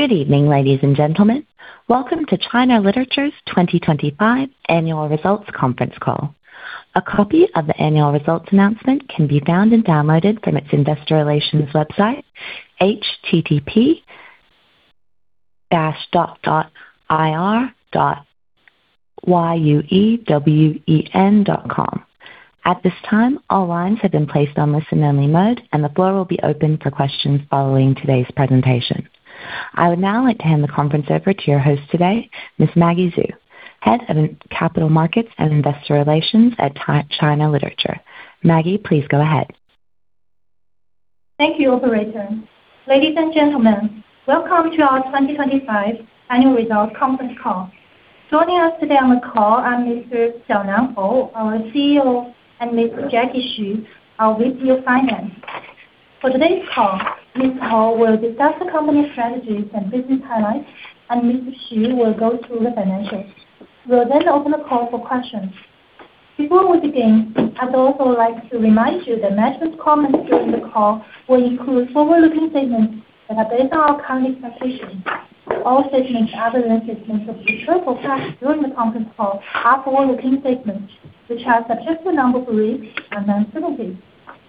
Good evening, ladies and gentlemen. Welcome to China Literature's 2025 annual results conference call. A copy of the annual results announcement can be found and downloaded from its investor relations website http://ir.yuewen.com. At this time, all lines have been placed on listen only mode, and the floor will be open for questions following today's presentation. I would now like to hand the conference over to your host today, Ms. Maggie Zhou, Head of Capital Markets and Investor Relations at China Literature. Maggie, please go ahead. Thank you, operator. Ladies and gentlemen, welcome to our 2025 annual results conference call. Joining us today on the call are Mr. Hou Xiaonan, our CEO; and Mr. Jacky Xu, our VP of Finance. For today's call, Mr. Hou will discuss the company's strategies and business highlights, and Mr. Xu will go through the financials. We'll then open the call for questions. Before we begin, I'd also like to remind you that management's comments during the call will include forward-looking statements that are based on our current expectations. All statements, other than statements of historical fact during the conference call are forward-looking statements, which are subject to a number of risks and uncertainties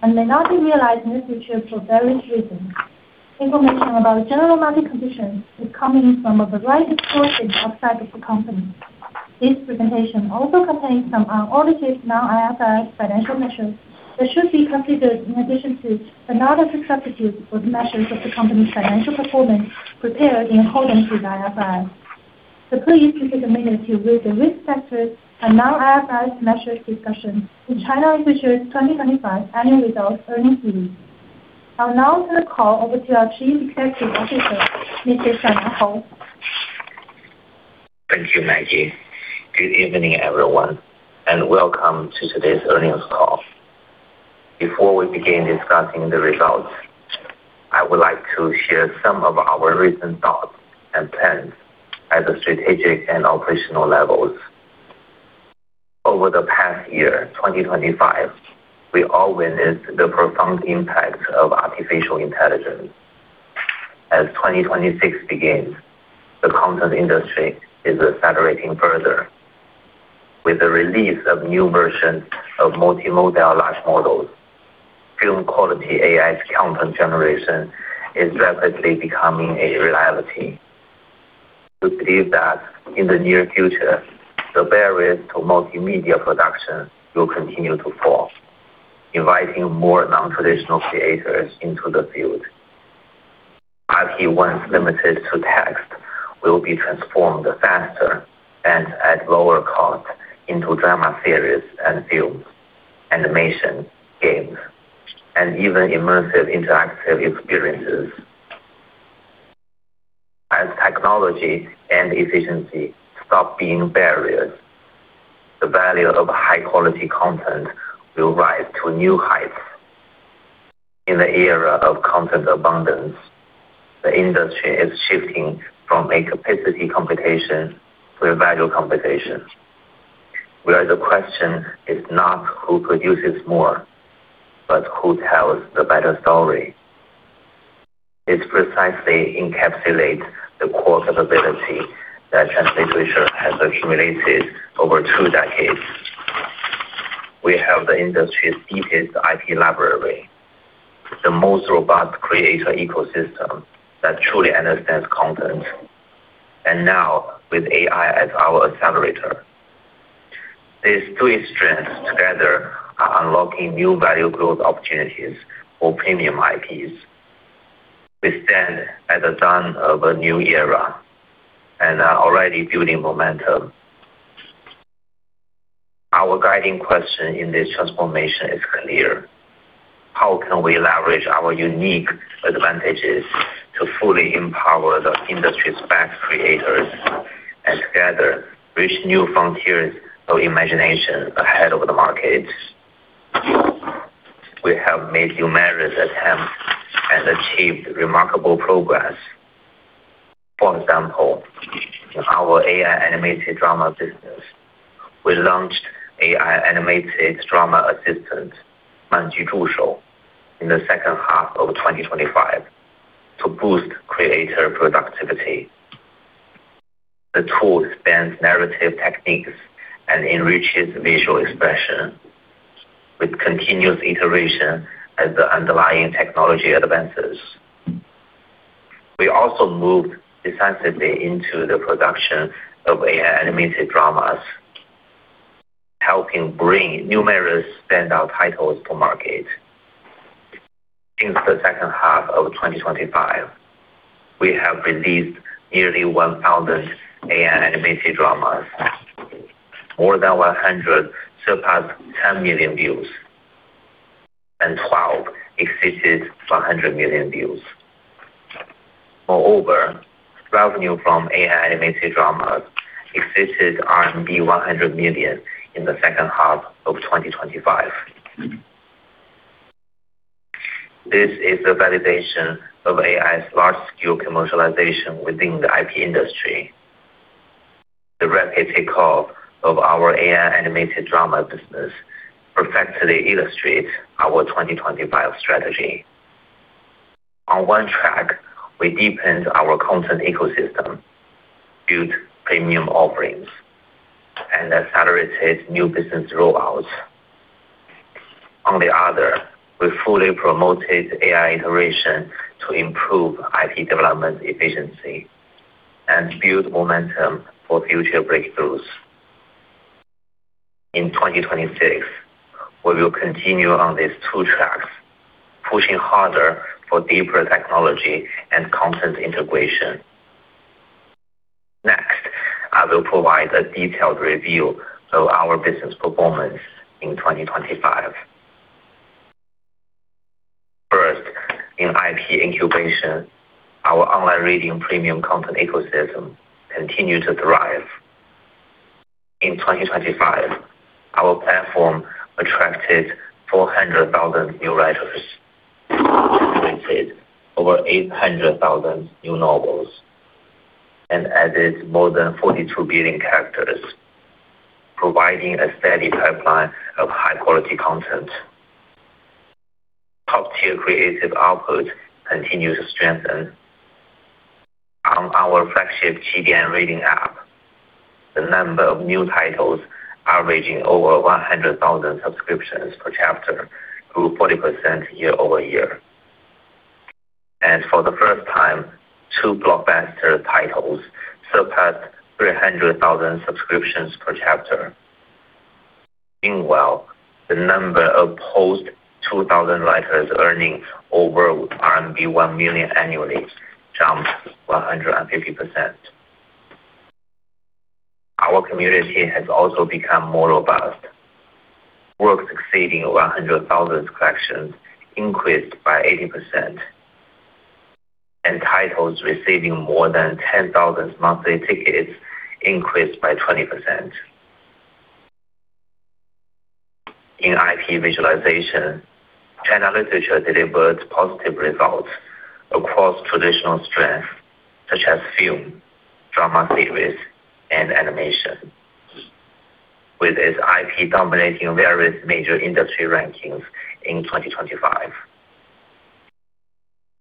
and may not be realized in the future for various reasons. Information about general market conditions is coming from a variety of sources outside of the company. This presentation also contains some unaudited non-IFRS financial measures that should be considered in addition to another substitute for the measures of the company's financial performance prepared in accordance with IFRS. Please take a minute to read the risk factors and non-IFRS measures discussion in China Literature's 2025 annual results earnings release. I'll now turn the call over to our Chief Executive Officer, Mr. Hou Xiaonan. Thank you, Maggie. Good evening, everyone, and welcome to today's earnings call. Before we begin discussing the results, I would like to share some of our recent thoughts and plans at the strategic and operational levels. Over the past year, 2025, we all witnessed the profound impact of Artificial Intelligence. As 2026 begins, the content industry is accelerating further. With the release of new versions of multimodal large models, film-quality AI content generation is rapidly becoming a reality. We believe that in the near future, the barriers to multimedia production will continue to fall, inviting more non-traditional creators into the field. IP, once limited to text, will be transformed faster and at lower cost into drama series and films, animation, games, and even immersive interactive experiences. As technology and efficiency stop being barriers, the value of high-quality content will rise to new heights. In the era of content abundance, the industry is shifting from a capacity competition to a value competition, where the question is not who produces more, but who tells the better story. It precisely encapsulates the core capability that China Literature has accumulated over two decades. We have the industry's deepest IP library, the most robust creator ecosystem that truly understands content. Now with AI as our accelerator, these three strengths together are unlocking new value growth opportunities for premium IPs. We stand at the dawn of a new era and are already building momentum. Our guiding question in this transformation is clear: how can we leverage our unique advantages to fully empower the industry's best creators and together reach new frontiers of imagination ahead of the market? We have made numerous attempts and achieved remarkable progress. For example, in our AI-animated drama business, we launched AI-animated drama assistant, Manju Zhushou, in the second half of 2025 to boost creator productivity. The tool spans narrative techniques and enriches visual expression with continuous iteration as the underlying technology advances. We also moved decisively into the production of AI-animated dramas, helping bring numerous standout titles to market. Since the second half of 2025, we have released nearly 1,000 AI-animated dramas. More than 100 surpassed 10 million views, and 12 exceeded 100 million views. Moreover, revenue from AI-animated dramas exceeded 100 million in the second half of 2025. This is a validation of AI's large-scale commercialization within the IP industry. The rapid takeoff of our AI animated drama business perfectly illustrates our 2025 strategy. On one track, we deepened our content ecosystem, built premium offerings, and accelerated new business rollouts. On the other, we fully promoted AI integration to improve IP development efficiency and build momentum for future breakthroughs. In 2026, we will continue on these two tracks, pushing harder for deeper technology and content integration. Next, I will provide a detailed review of our business performance in 2025. First, in IP incubation, our online reading premium content ecosystem continued to thrive. In 2025, our platform attracted 400,000 new writers, generated over 800,000 new novels, and added more than 42 billion characters, providing a steady pipeline of high-quality content. Top-tier creative output continued to strengthen. On our flagship Qidian reading app, the number of new titles averaging over 100,000 subscriptions per chapter grew 40% year-over-year. For the first time, two blockbuster titles surpassed 300,000 subscriptions per chapter. Meanwhile, the number of post-2000 writers earning over RMB 1 million annually jumped 150%. Our community has also become more robust. Work exceeding 100,000 collections increased by 80%. Titles receiving more than 10,000 monthly tickets increased by 20%. In IP visualization, China Literature delivered positive results across traditional strengths such as film, drama series, and animation, with its IP dominating various major industry rankings in 2025.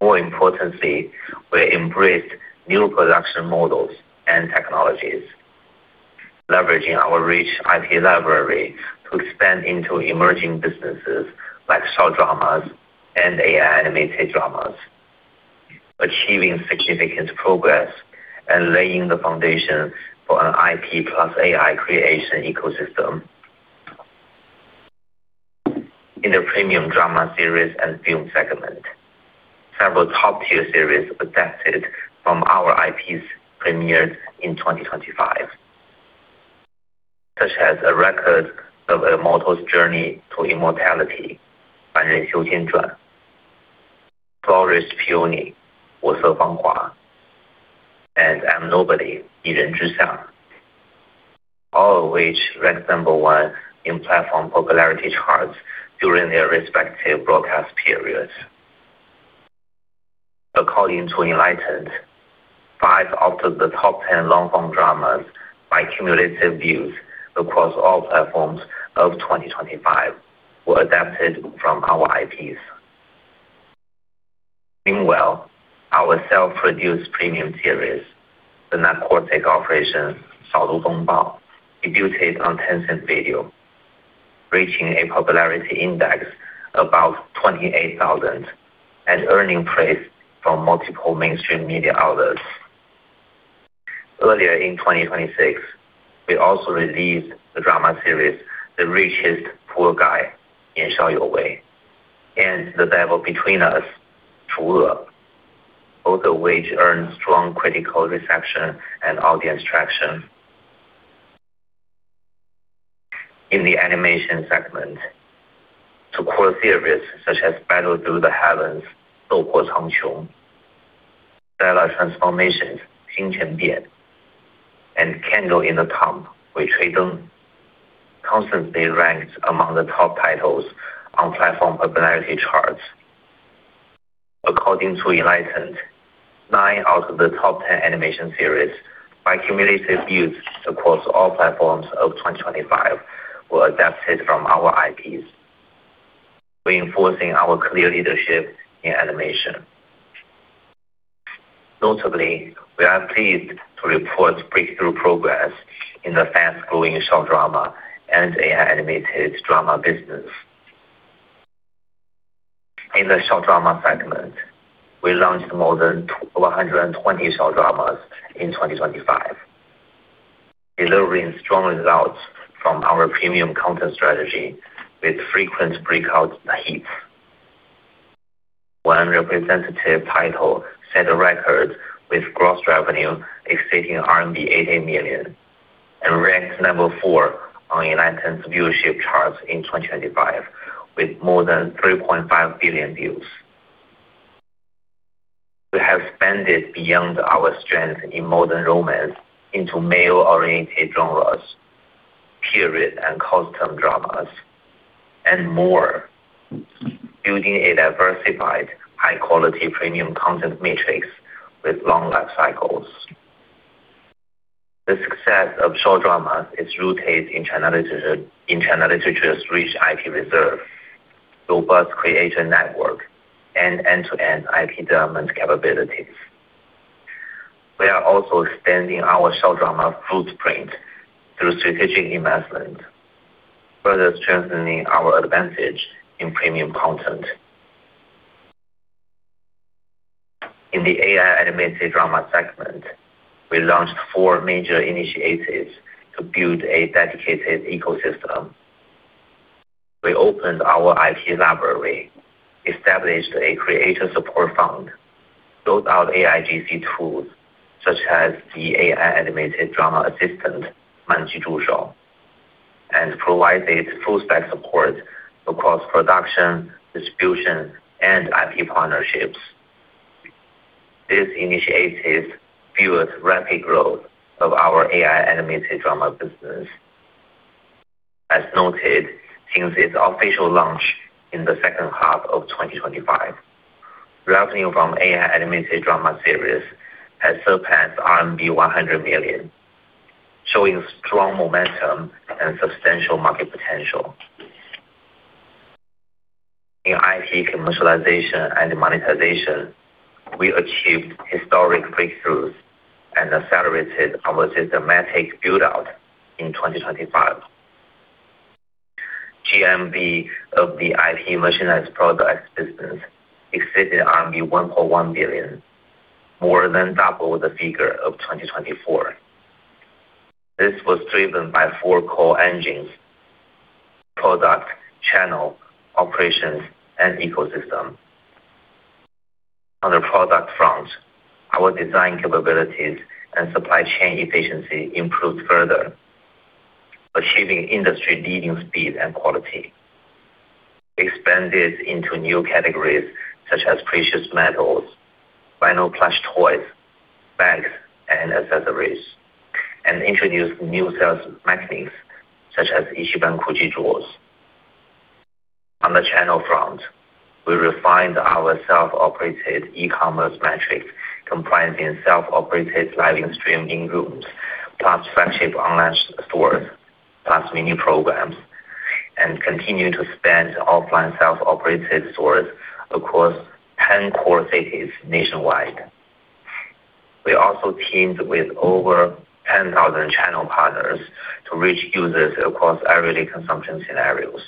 More importantly, we embraced new production models and technologies, leveraging our rich IP library to expand into emerging businesses like short dramas and AI animated dramas, achieving significant progress and laying the foundation for an IP plus AI creation ecosystem. In the premium drama series and film segment, several top-tier series adapted from our IPs premiered in 2025, such as A Record of a Mortal's Journey to Immortality, Fan Ren Xiu Xian Chuan, Flourishing Peony, Guo Se Fang Hua, and I Am Nobody, Yi Ren Zhi Xia, all of which ranked number one in platform popularity charts during their respective broadcast periods. According to Enlightent, five of the top 10 long-form dramas by cumulative views across all platforms of 2025 were adapted from our IPs. Meanwhile, our self-produced premium series, The Narcotic Operation, Sao Du Feng Bao, debuted on Tencent Video, reaching a popularity index above 28,000 and earning praise from multiple mainstream media outlets. Earlier in 2026, we also released the drama series The Richest Poor Guy, Nian Shao You Wei, and The Devil Between Us, Chu E, both of which earned strong critical reception and audience traction. In the animation segment, two core series such as Battle Through the Heavens, Doupo Cangqiong, Stellar Transformations, Xing Chen Bian, and Candle in the Tomb, Gui Chui Deng, constantly ranked among the top titles on platform popularity charts. According to Enlightent, nine out of the top ten animation series by cumulative views across all platforms of 2025 were adapted from our IPs, reinforcing our clear leadership in animation. Notably, we are pleased to report breakthrough progress in the fast-growing short drama and AI animated drama business. In the short drama segment, we launched more than 120 short dramas in 2025, delivering strong results from our premium content strategy with frequent breakout hits. One representative title set a record with gross revenue exceeding RMB 80 million and ranked number four on Enlightent's viewership charts in 2025, with more than 3.5 billion views. We have expanded beyond our strength in modern romance into male-oriented genres, period and costume dramas, and more, building a diversified high-quality premium content matrix with long life cycles. The success of short dramas is rooted in China Literature's rich IP reserve, robust creation network, and end-to-end IP development capabilities. We are also extending our short drama footprint through strategic investment, further strengthening our advantage in premium content. In the AI animated drama segment, we launched four major initiatives to build a dedicated ecosystem. We opened our IP library, established a creator support fund, built out AIGC tools such as the AI animated drama assistant, Manju Zhushou, and provided full stack support across production, distribution, and IP partnerships. These initiatives fueled rapid growth of our AI animated drama business. As noted, since its official launch in the second half of 2025, revenue from AI animated drama series has surpassed RMB 100 million, showing strong momentum and substantial market potential. In IP commercialization and monetization, we achieved historic breakthroughs and accelerated our systematic build-out in 2025. GMV of the IP merchandise products business exceeded RMB 1.1 billion, more than double the figure of 2024. This was driven by four core engines, product, channel, operations, and ecosystem. On the product front, our design capabilities and supply chain efficiency improved further, achieving industry-leading speed and quality. Expanded into new categories such as precious metals, vinyl plush toys, bags, and accessories, and introduced new sales mechanisms such as Ichiban Kuji draws. On the channel front, we refined our self-operated e-commerce matrix, comprising self-operated live streaming rooms, plus flagship online stores, plus mini programs, and continue to expand offline self-operated stores across 10 core cities nationwide. We also teamed with over 10,000 channel partners to reach users across everyday consumption scenarios.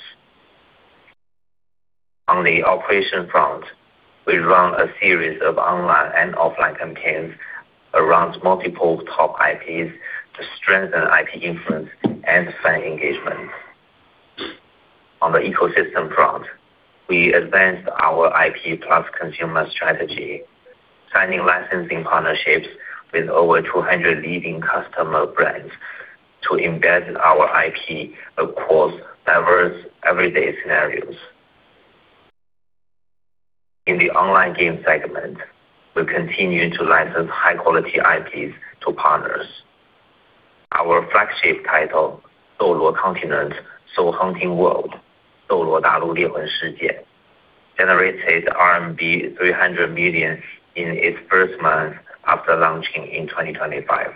On the operation front, we run a series of online and offline campaigns around multiple top IPs to strengthen IP influence and fan engagement. On the ecosystem front, we advanced our IP plus consumer strategy, signing licensing partnerships with over 200 leading customer brands to embed our IP across diverse everyday scenarios. In the online game segment, we continue to license high-quality IPs to partners. Our flagship title, Soul Land: Soul Hunting World, generated RMB 300 million in its first month after launching in 2025.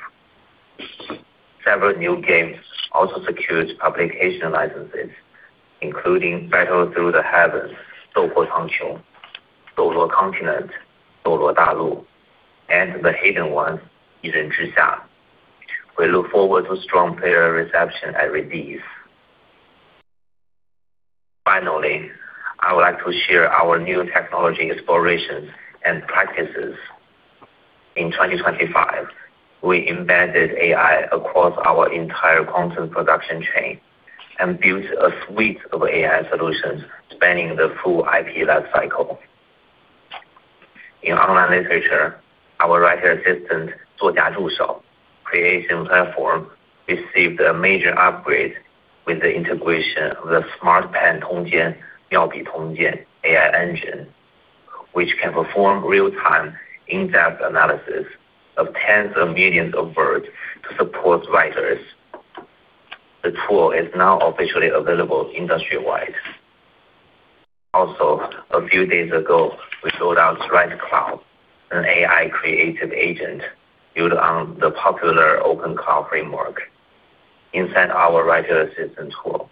Several new games also secured publication licenses, including Battle Through the Heavens, Soul Land, and The Hidden Ones. We look forward to strong player reception at release. Finally, I would like to share our new technology explorations and practices. In 2025, we embedded AI across our entire content production chain and built a suite of AI solutions spanning the full IP life cycle. In online literature, our writer assistant, Zuojia Zhushou creation platform, received a major upgrade with the integration of the Smart Pen Tongjian, Miaobi Tongjian AI engine, which can perform real-time in-depth analysis of tens of millions of words to support writers. The tool is now officially available industry-wide. A few days ago, we rolled out [WriteClaude], an AI creative agent built on the popular open Claude framework inside our writer assistant tool.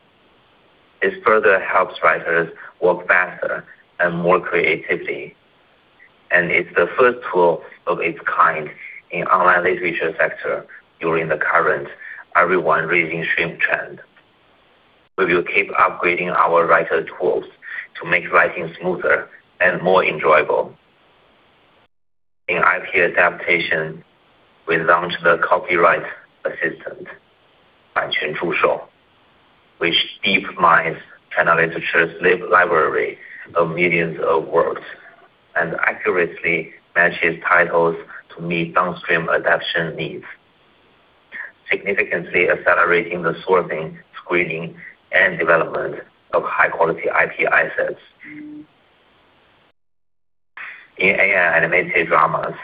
This further helps writers work faster and more creativity, and it's the first tool of its kind in online literature sector during the current everyone reading stream trend. We will keep upgrading our writer tools to make writing smoother and more enjoyable. In IP adaptation, we launched the copyright assistant, Banquan Zhushou, which deeply mines China Literature's library of millions of works and accurately matches titles to meet downstream adaptation needs, significantly accelerating the sorting, screening, and development of high-quality IP assets. In AI animated dramas,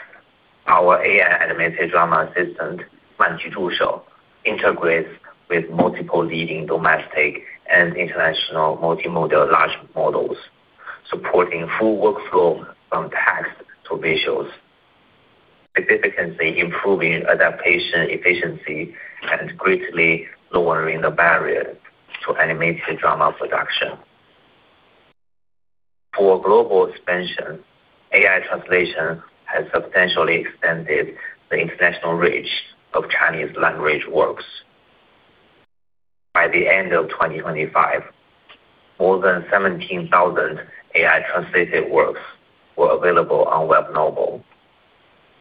our AI animated drama assistant, Manju Zhushou, integrates with multiple leading domestic and international multimodal large models, supporting full workflow from text to visuals, significantly improving adaptation efficiency and greatly lowering the barrier to animated drama production. For global expansion, AI translation has substantially extended the international reach of Chinese language works. By the end of 2025, more than 17,000 AI translated works were available on Webnovel,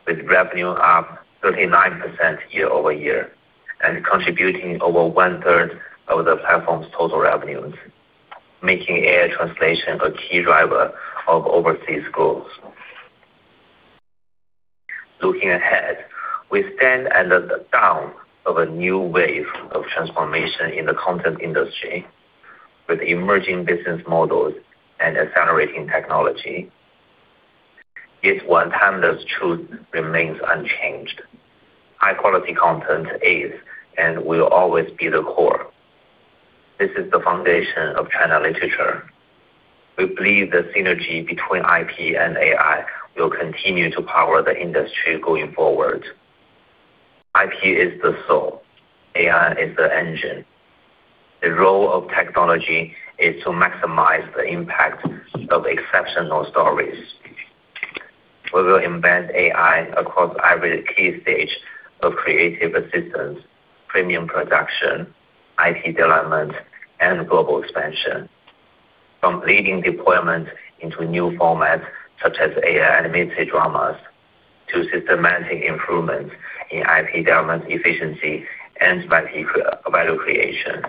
with revenue up 39% year-over-year and contributing over 1/3 of the platform's total revenues, making AI translation a key driver of overseas growth. Looking ahead, we stand at the dawn of a new wave of transformation in the content industry with emerging business models and accelerating technology. Yet one timeless truth remains unchanged. High-quality content is and will always be the core. This is the foundation of China Literature. We believe the synergy between IP and AI will continue to power the industry going forward. IP is the soul. AI is the engine. The role of technology is to maximize the impact of exceptional stories. We will embed AI across every key stage of creative assistance, premium production, IP development, and global expansion, from leading deployment into new formats such as AI animated dramas to systematic improvements in IP development efficiency and value creation.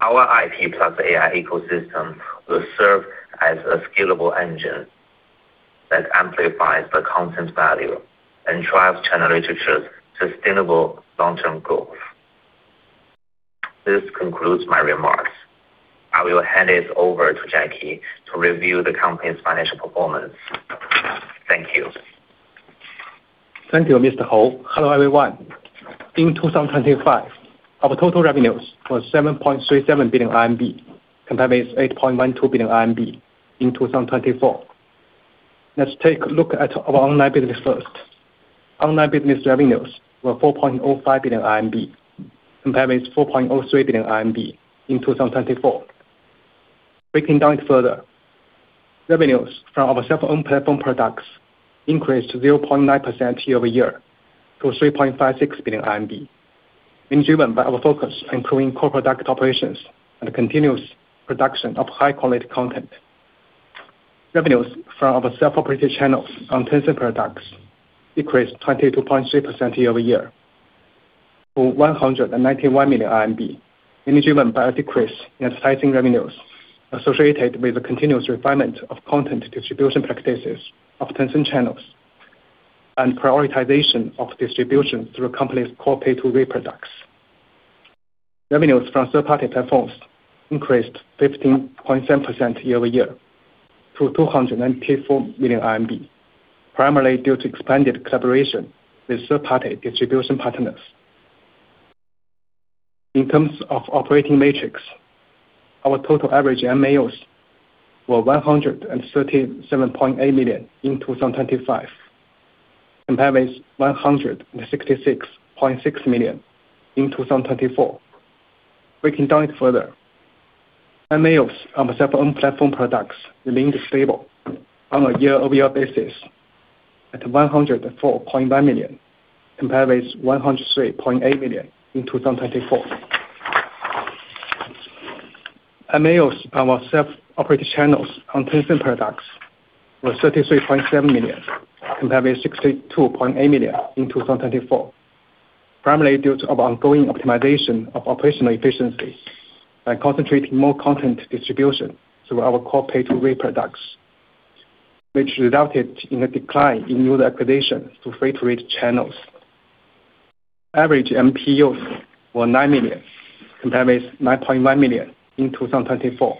Our IP plus AI ecosystem will serve as a scalable engine that amplifies the content value and drives China Literature's sustainable long-term growth. This concludes my remarks. I will hand it over to Jacky Xu to review the company's financial performance. Thank you. Thank you, Mr. Hou. Hello, everyone. In 2025, our total revenues were 7.37 billion RMB, compared with 8.12 billion RMB in 2024. Let's take a look at our online business first. Online business revenues were 4.05 billion RMB, compared with 4.03 billion RMB in 2024. Breaking down further, revenues from our self-owned platform products increased 0.9% year-over-year to 3.56 billion, being driven by our focus on improving core product operations and continuous production of high-quality content. Revenues from our self-operated channels on Tencent products decreased 22.3% year-over-year to 191 million RMB, mainly driven by a decrease in advertising revenues associated with the continuous refinement of content distribution practices of Tencent channels and prioritization of distribution through company's core pay-to-read products. Revenues from third-party platforms increased 15.7% year-over-year to 294 million RMB, primarily due to expanded collaboration with third-party distribution partners. In terms of operating metrics, our total average MAUs were 137.8 million in 2025, compared with 166.6 million in 2024. Breaking down further, MAUs on the self-owned platform products remained stable on a year-over-year basis at 104.1 million, compared with 103.8 million in 2024. MAUs on our self-operated channels on Tencent products were 33.7 million, compared with 62.8 million in 2024, primarily due to our ongoing optimization of operational efficiency by concentrating more content distribution through our core pay-to-rate products, which resulted in a decline in new acquisitions to free trade channels. Average MPU were 9 million, compared with 9.1 million in 2024.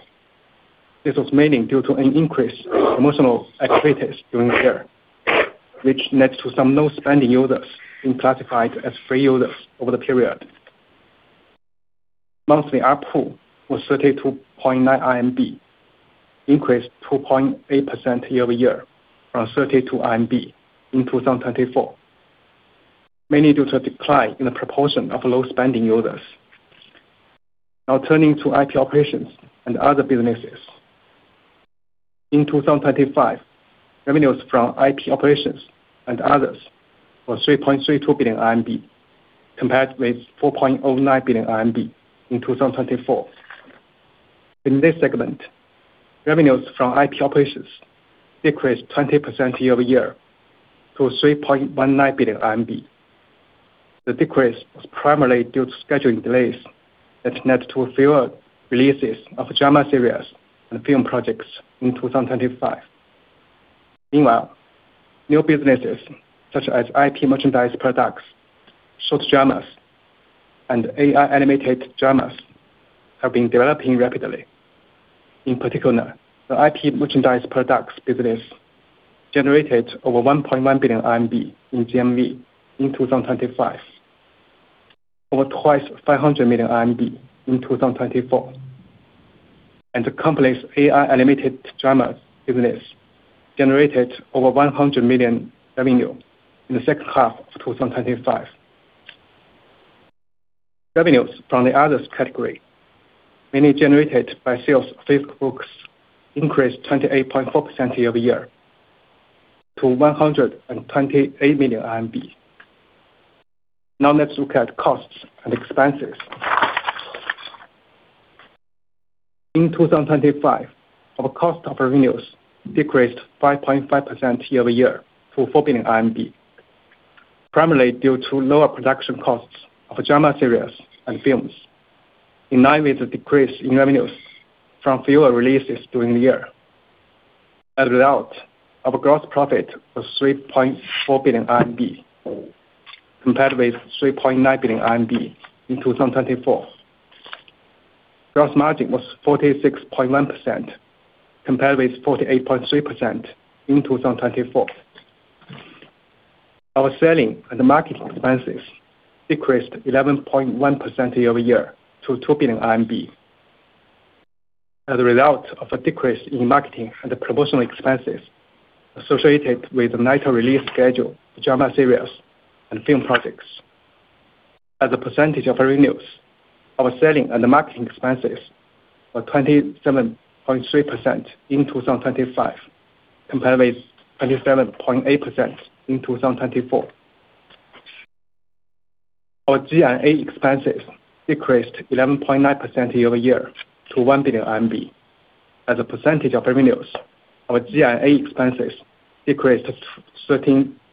This was mainly due to an increase in promotional activities during the year, which led to some low-spending users being classified as free users over the period. Monthly ARPU was 32.9, increased 2.8% year-over-year from 32 in 2024, mainly due to a decline in the proportion of low-spending users. Now turning to IP operations and other businesses. In 2025, revenues from IP operations and others were 3.32 billion RMB, compared with 4.09 billion RMB in 2024. In this segment, revenues from IP operations decreased 20% year-over-year to 3.19 billion RMB. The decrease was primarily due to scheduling delays that led to fewer releases of drama series and film projects in 2025. Meanwhile, new businesses such as IP merchandise products, short dramas, and AI animated dramas have been developing rapidly. In particular, the IP merchandise products business generated over 1.1 billion RMB in GMV in 2025. Over twice 500 million RMB in 2024. The company's AI animated dramas business generated over 100 million revenue in the second half of 2025. Revenues from the others category, mainly generated by sales of physical books, increased 28.4% year-over-year to 128 million RMB. Now let's look at costs and expenses. In 2025, our cost of revenues decreased 5.5% year-over-year to 4 billion RMB, primarily due to lower production costs of drama series and films, in line with the decrease in revenues from fewer releases during the year. As a result, our gross profit was 3.4 billion RMB, compared with 3.9 billion RMB in 2024. Gross margin was 46.1% compared with 48.3% in 2024. Our selling and marketing expenses decreased 11.1% year-over-year to 2 billion RMB as a result of a decrease in marketing and promotional expenses associated with the later release schedule of drama series and film projects. As a percentage of our revenues, our selling and marketing expenses were 27.3% in 2025 compared with 27.8% in 2024. Our G&A expenses decreased 11.9% year-over-year to 1 billion RMB. As a percentage of revenues, our G&A expenses decreased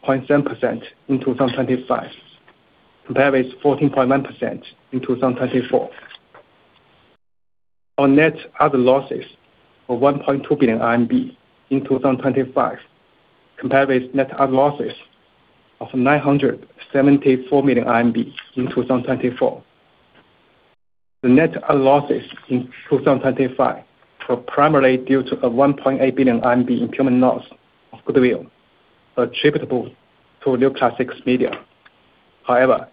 to 13.7% in 2025, compared with 14.9% in 2024. Our net other losses were 1.2 billion RMB in 2025 compared with net other losses of 974 million RMB in 2024. The net other losses in 2025 were primarily due to a 1.8 billion RMB impairment loss of goodwill attributable to New Classics Media. However,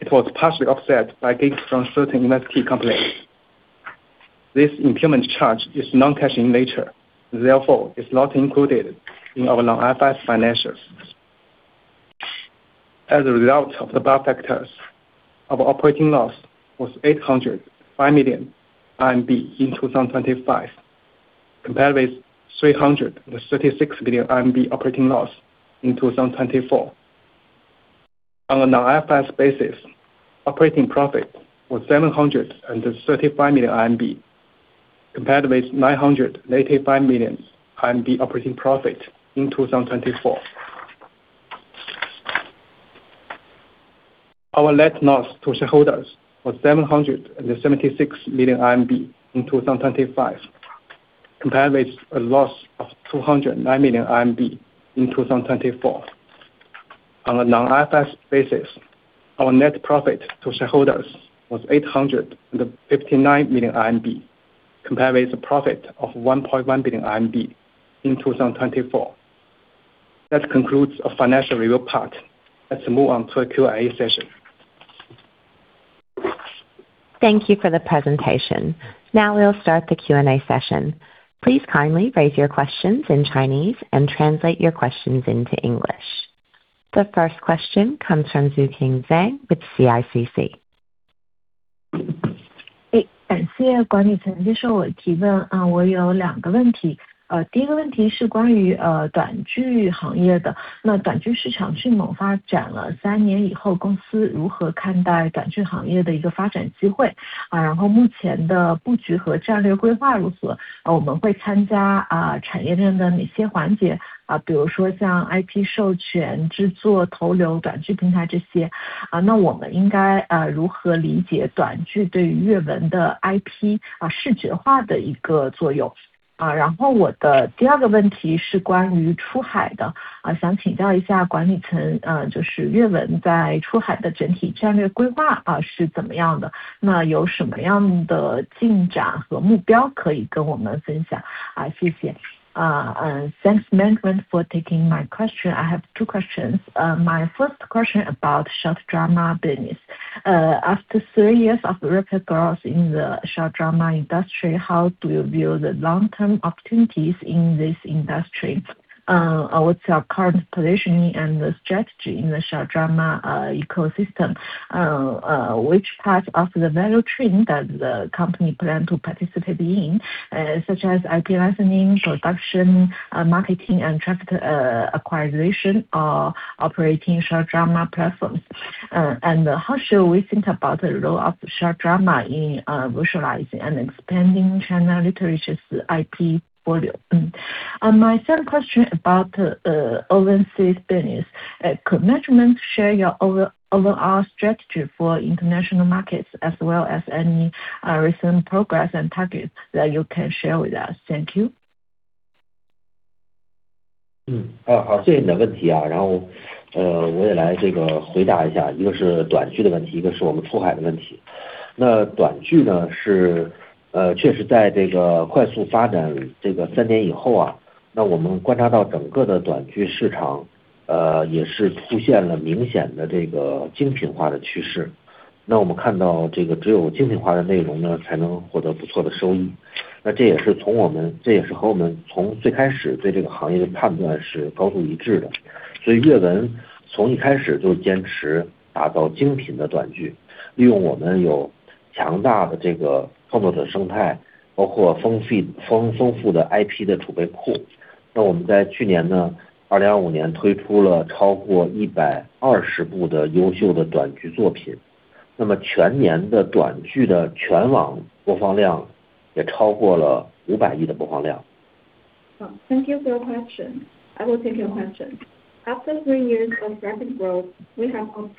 it was partially offset by gains from certain investee companies. This impairment charge is non-cash in nature, therefore is not included in our non-IFRS financials. As a result of the above factors, our operating loss was 805 million RMB in 2025 compared with 336 million RMB operating loss in 2024. On a non-IFRS basis, operating profit was 735 million RMB compared with 985 million RMB operating profit in 2024. Our net loss to shareholders was 776 million RMB in 2025, compared with a loss of 209 million RMB in 2024. On a non-IFRS basis, our net profit to shareholders was 859 million RMB, compared with a profit of 1.1 billion RMB in 2024. That concludes our financial review part. Let's move on to a Q&A session. Thank you for the presentation. Now we'll start the Q&A session. Please kindly raise your questions in Chinese and translate your questions into English. The first question comes from Xu Zhengzheng with CICC. My first question about short drama business. After three years of rapid growth in the short drama industry, how do you view the long-term opportunities in this industry? What's our current positioning and the strategy in the short drama ecosystem? Which parts of the value chain does the company plan to participate in, such as IP licensing, production, marketing and traffic, acquisition or operating short drama platforms? And how should we think about the role of short drama in virtualizing and expanding China Literature's IP portfolio? My second question about overseas business. Could management share your overall strategy for international markets as well as any recent progress and targets that you can share with us? Thank you. 好，谢谢你的问题。我也来回答一下，一个是短剧的问题，一个是我们出海的问题。那短剧呢，确实在这个快速发展三年以后，我们观察到整个的短剧市场也是出现了明显的精品化的趋势。我们看到只有精品化的内容才能获得不错的收益，这也是和我们从最开始对这个行业的判断是高度一致的。所以阅文从一开始就坚持打造精品的短剧，利用我们强大的创作者生态，包括丰富的IP储备库。我们在去年，2025年推出了超过120部的优秀的短剧作品，全年的短剧的全网播放量也超过了500亿的播放量。Thank you for your question. I will take your question. After three years of rapid growth, we have observed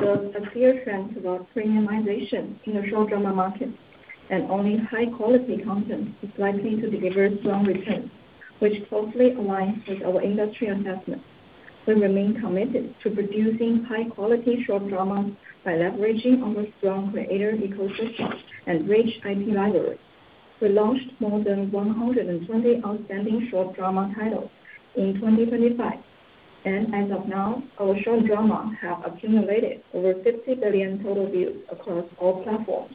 a clear trend towards premiumization in the short drama market, and only high-quality content is likely to deliver strong returns, which closely aligns with our industry assessment. We remain committed to producing high-quality short dramas by leveraging our strong creator ecosystem and rich IP library. We launched more than 120 outstanding short drama titles in 2025, and as of now, our short dramas have accumulated over 50 billion total views across all platforms.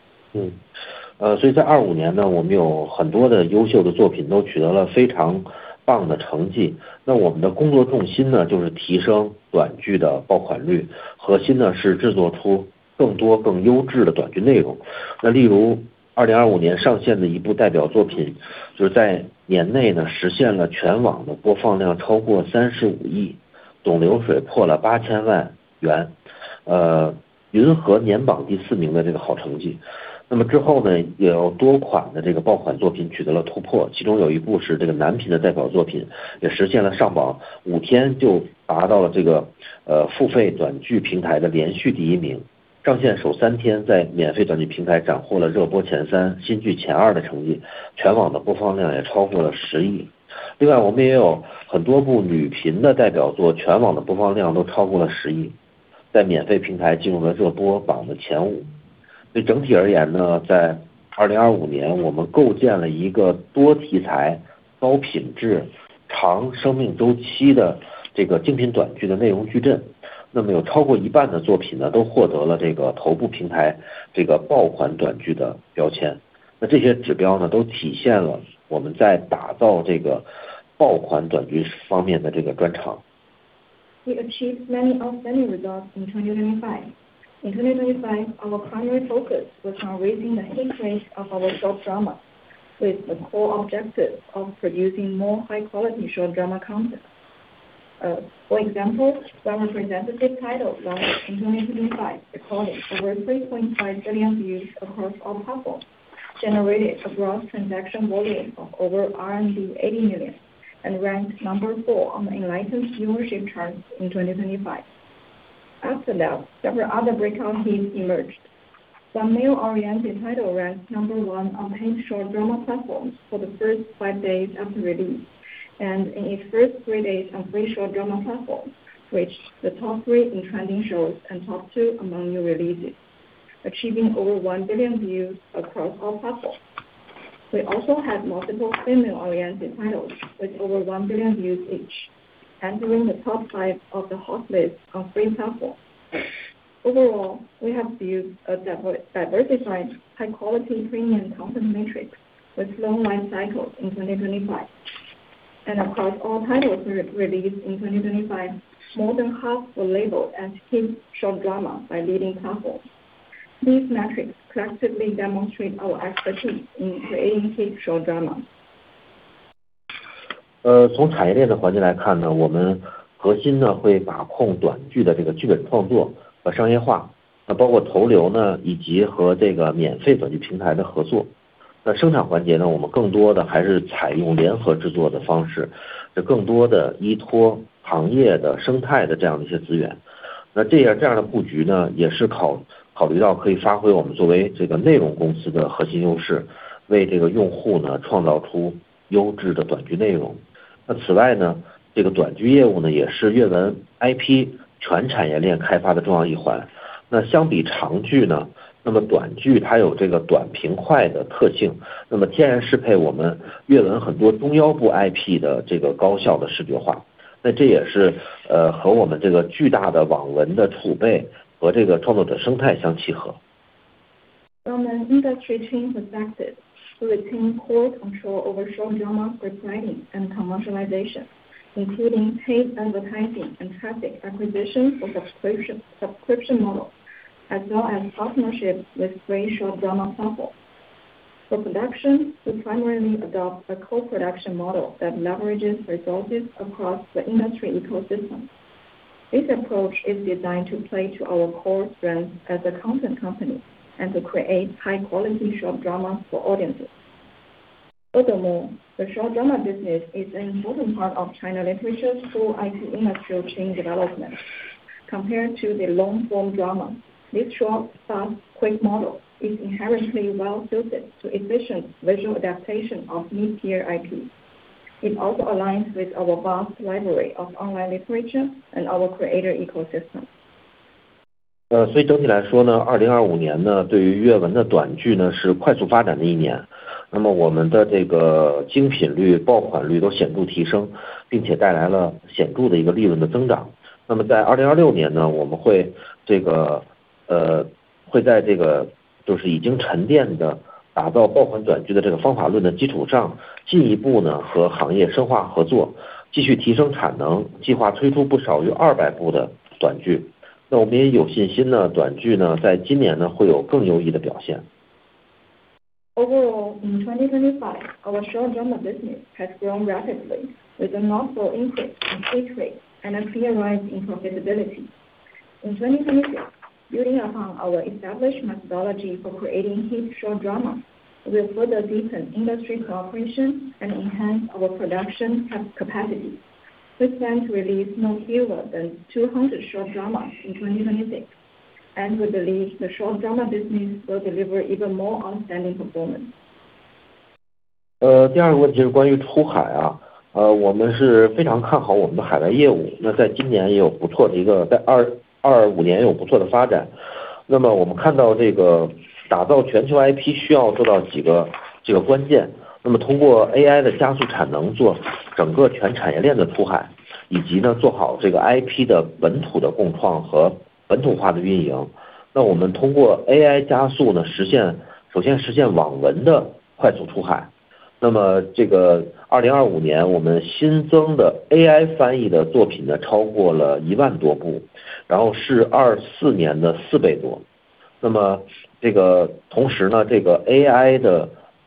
We achieved many outstanding results in 2025. In 2025, our primary focus was on raising the hit rate of our short dramas, with the core objective of producing more high-quality short drama content. For example, one representative title launched in 2025 recorded over 3.5 billion views across all platforms, generated a gross transaction volume of over 80 million, and ranked number four on the Enlightent viewership charts in 2025. After that, several other breakout hits emerged. One male-oriented title ranked number one on paid short drama platforms for the first five days after release, and in its first three days on free short drama platforms reached the top three in trending shows and top two among new releases, achieving over 1 billion views across all platforms. We also had multiple female-oriented titles with over 1 billion views each, entering the top five of the hot list on free platforms. Overall, we have built a diversified high-quality premium content matrix with long life cycles in 2025. Across all titles re-released in 2025, more than half were labeled as hit short drama by leading platforms. These metrics collectively demonstrate our expertise in creating hit short dramas. From an industry chain perspective, we retain core control over short drama scriptwriting and commercialization, including paid advertising and traffic acquisition for subscription models, as well as partnerships with free short drama platforms. For production, we primarily adopt a co-production model that leverages resources across the industry ecosystem. This approach is designed to play to our core strengths as a content company and to create high-quality short dramas for audiences. Furthermore, the short drama business is an important part of China Literature's full IP industrial chain development. Compared to the long form drama, this short, fast, quick model is inherently well-suited to efficient visual adaptation of new tier IP. It also aligns with our vast library of online literature and our creator ecosystem. Overall, in 2025, our short drama business has grown rapidly, with a notable increase in hit rate and a clear rise in profitability. In 2026, building upon our established methodology for creating hit short drama, we will further deepen industry cooperation and enhance our production capacity. We plan to release no fewer than 200 short dramas in 2026, and we believe the short drama business will deliver even more outstanding performance.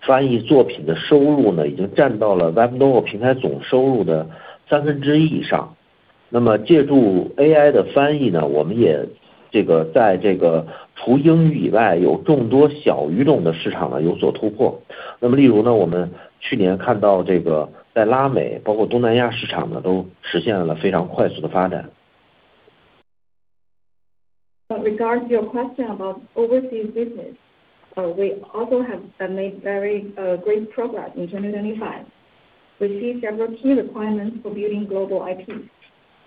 With regards to your question about overseas business, we also have made very great progress in 2025. We see several key requirements for building global IP,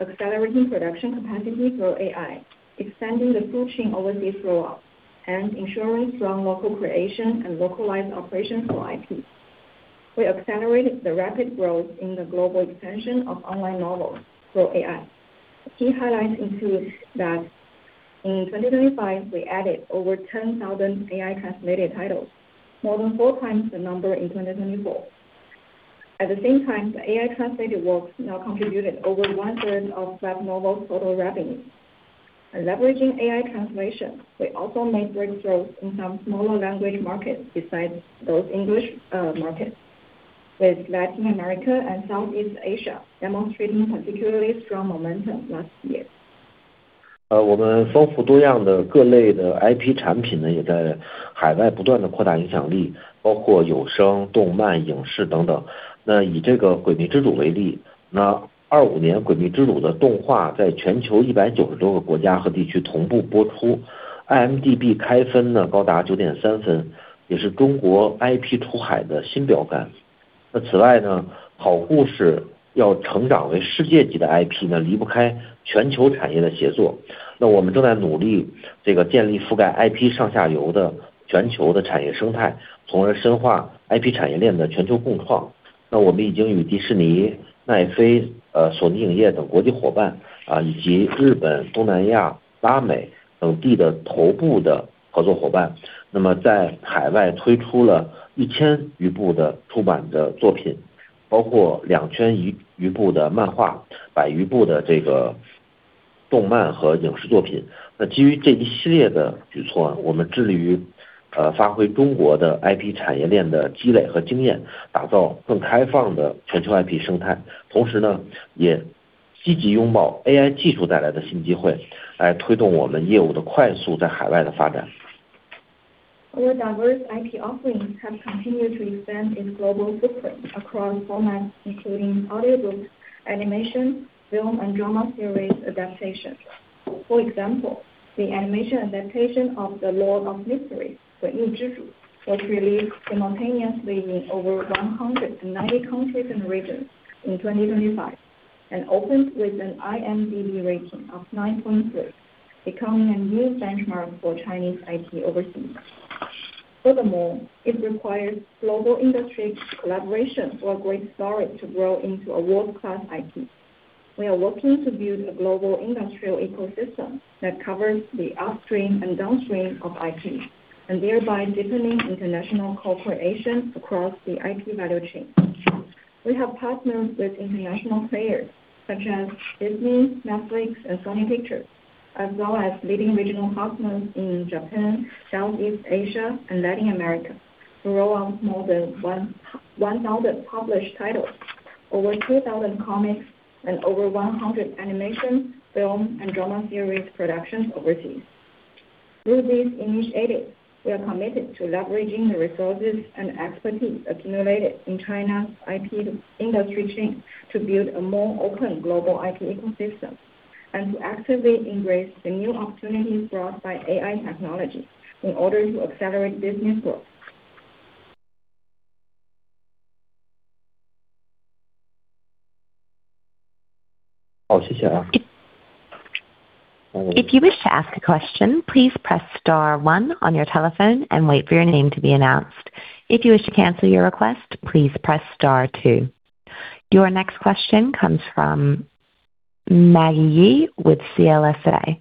accelerating production capacity through AI, expanding the full chain overseas roll-out, and ensuring strong local creation and localized operations for IP. We accelerated the rapid growth in the global expansion of online novels through AI. Key highlights include that in 2025, we added over 10,000 AI translated titles, more than four times the number in 2024. At the same time, the AI translated works now contributed over 1/3 of Webnovel's total revenue. Leveraging AI translation, we also made breakthroughs in some smaller language markets besides those English markets, with Latin America and Southeast Asia demonstrating particularly strong momentum last year. Our diverse IP offerings have continued to expand its global footprint across formats including audiobooks, animation, film, and drama series adaptations. For example, the animation adaptation of Lord of Mysteries, 诡秘之主, was released simultaneously in over 190 countries and regions in 2025, and opened with an IMDb rating of 9.6, becoming a new benchmark for Chinese IP overseas. Furthermore, it requires global industry collaboration for a great story to grow into a world-class IP. We are working to build a global industrial ecosystem that covers the upstream and downstream of IP, and thereby deepening international cooperation across the IP value chain. We have partnered with international players such as Disney, Netflix, and Sony Pictures, as well as leading regional partners in Japan, Southeast Asia, and Latin America to roll out more than 1,000 published titles, over 2,000 comics, and over 100 animation, film, and drama series productions overseas. Through this initiative, we are committed to leveraging the resources and expertise accumulated in China's IP industry chain to build a more open global IP ecosystem and to actively embrace the new opportunities brought by AI technology in order to accelerate business growth. 好，谢谢啊。If you wish to ask a question, please press star one on your telephone and wait for your name to be announced. If you wish to cancel your request, please press star two. Your next question comes from Maggie Ye with CLSA.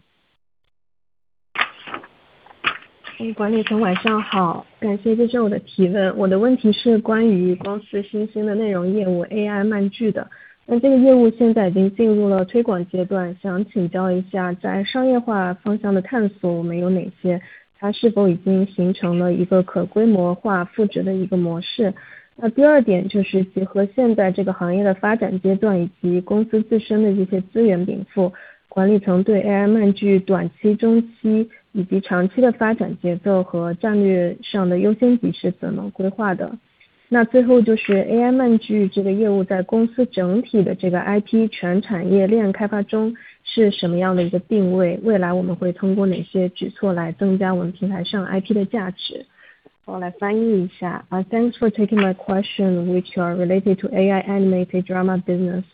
Thanks for taking my question, which are related to AI animated drama business.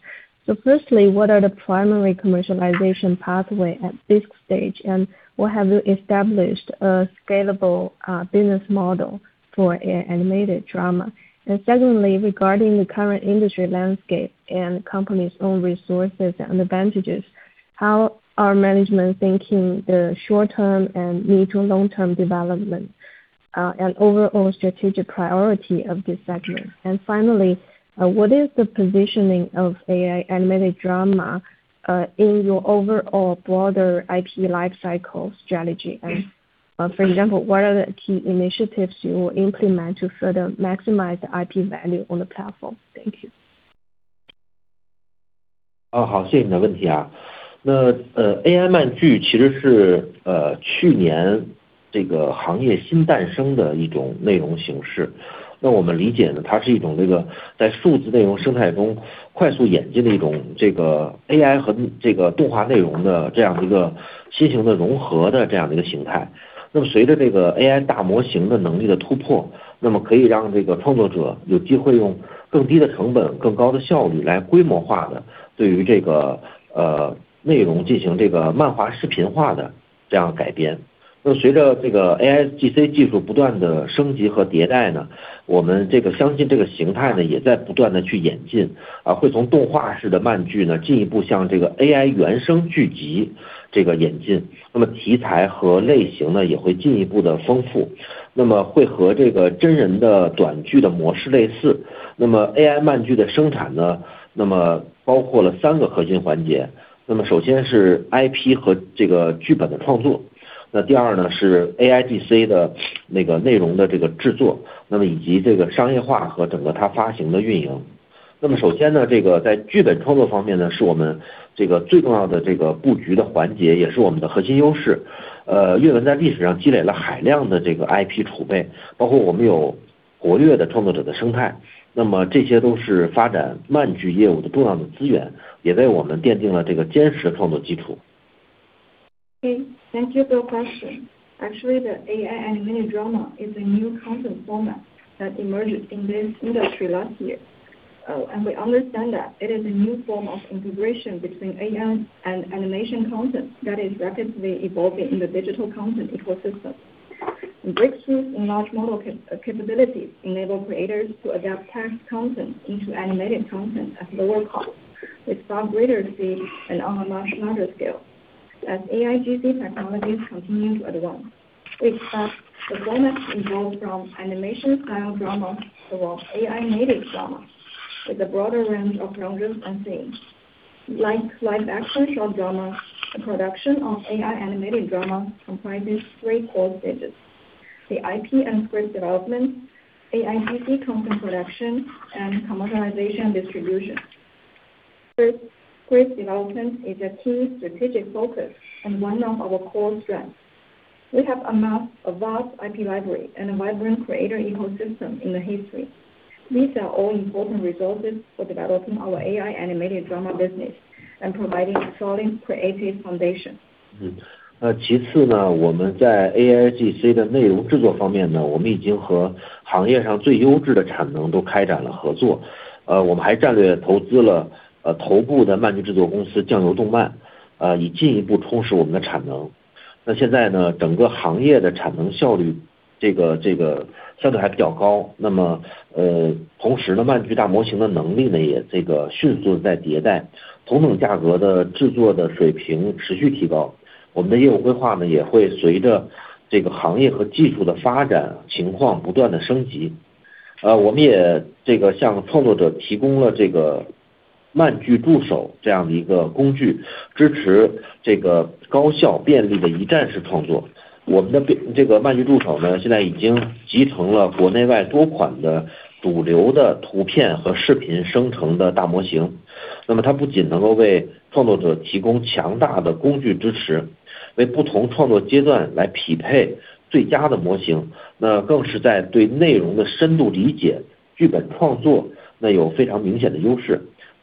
Firstly, what are the primary commercialization pathway at this stage? What have you established a scalable business model for AI animated drama? Secondly, regarding the current industry landscape and company's own resources and advantages, how are management thinking the short term and mid to long term development, and overall strategic priority of this segment? Finally, what is the positioning of AI animated drama in your overall broader IP lifecycle strategy? For example, what are the key initiatives you will implement to further maximize the IP value on the platform? Thank you. Thank you for your question. Actually, the AI animated drama is a new content format that emerged in this industry last year. And we understand that it is a new form of integration between AI and animation content that is rapidly evolving in the digital content ecosystem. The breakthroughs in large model capabilities enable creators to adapt text content into animated content at lower costs, with far greater speed and on a much larger scale. As AIGC technologies continue to advance, we expect the format to evolve from animation style drama towards AI native drama with a broader range of genres and themes. Like live-action short drama, the production of AI animated drama comprises three core stages: the IP and script development, AIGC content production, and commercialization distribution. Script development is a key strategic focus and one of our core strengths. We have amassed a vast IP library and a vibrant creator ecosystem in the history. These are all important resources for developing our AI animated drama business and providing a solid creative foundation.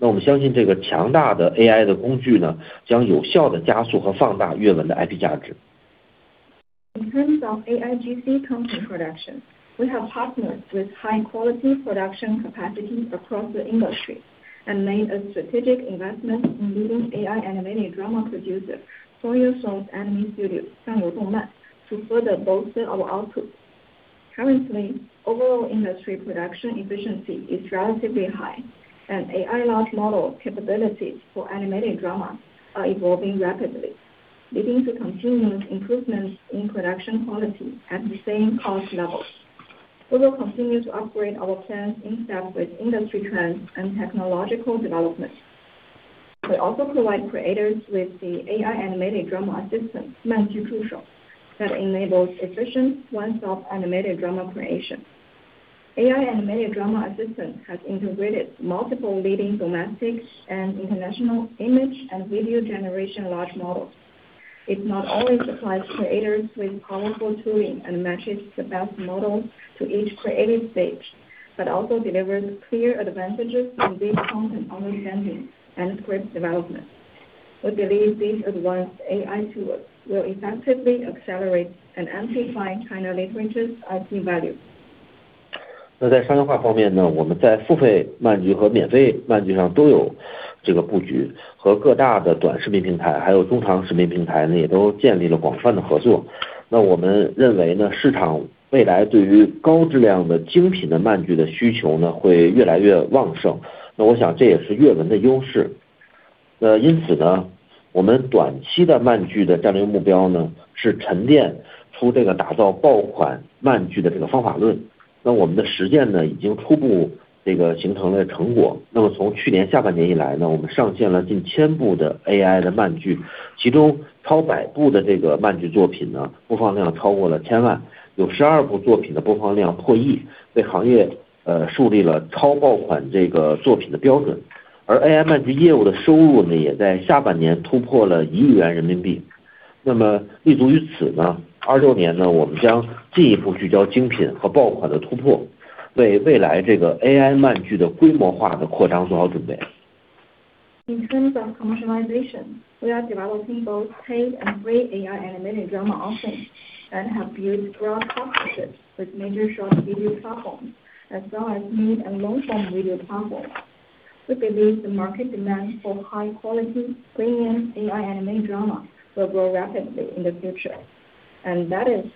In terms of AIGC content production. We have partnered with high quality production capacity across the industry and made a strategic investment, including AI animated drama producer Shangyou Animation (上游动漫) to further bolster our output. Currently, overall industry production efficiency is relatively high, and AI large model capabilities for animated drama are evolving rapidly, leading to continuous improvements in production quality at the same cost levels. We will continue to operate our plans in step with industry trends and technological developments. We also provide creators with the AI animated drama assistant 漫剧助手 that enables efficient one-stop animated drama creation. AI animated drama assistant has integrated multiple leading domestic and international image and video generation large models. It not only supplies creators with powerful tooling and matches the best models to each creative stage, but also delivers clear advantages in visual content understanding and script development. We believe these advanced AI tools will effectively accelerate and amplify China Literature's IP value. In terms of commercialization, we are developing both paid and free AI animated drama options that have built broad partnerships with major short video platforms as well as mid and long form video platforms. We believe the market demand for high quality premium AI animated drama will grow rapidly in the future. That is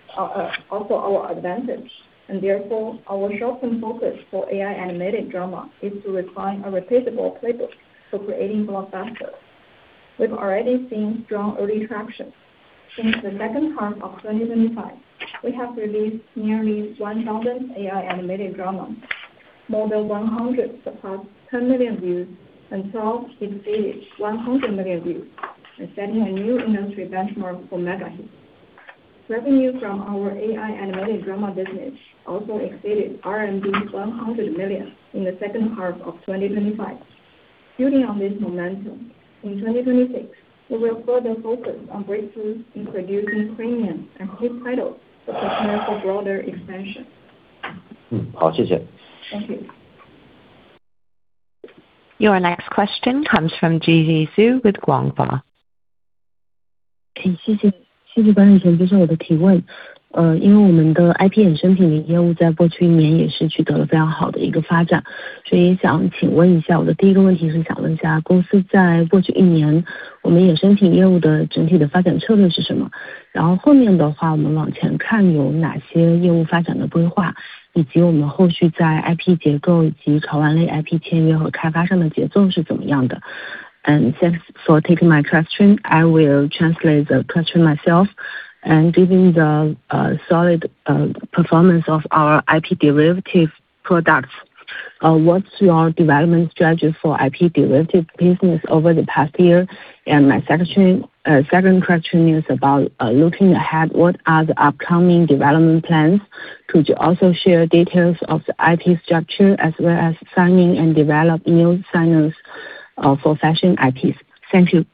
also our advantage. Therefore, our short term focus for AI animated drama is to refine a repeatable playbook for creating blockbuster. We've already seen strong early traction. Since the second half of 2025, we have released nearly 1,000 AI animated drama. More than 100 surpassed 10 million views, and 12 exceeded 100 million views, setting a new industry benchmark for mega hits. Revenue from our AI animated drama business also exceeded 100 million in the second half of 2025. Building on this momentum, in 2026, we will further focus on breakthroughs in producing premium and hit titles to prepare for broader expansion. 好，谢谢。Thank you. Your next question comes from Gigi Zhou with Guangfa. I will translate the question myself. Given the solid performance of our IP derivative products, what's your development strategies for IP derivative business over the past year? My second question is about looking ahead, what are the upcoming development plans? Could you also share details of the IP structure as well as signing and developing new designers for fashion IPs. Thank you.